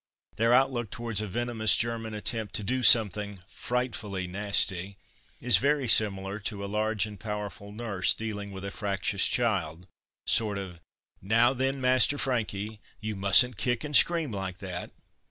Their outlook towards a venomous German attempt to do something "frightfully" nasty, is very similar to a large and powerful nurse dealing with a fractious child sort of: "Now, then, Master Frankie, you mustn't kick and scream like that."